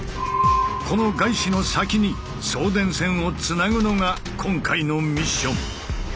このガイシの先に送電線をつなぐのが今回のミッション。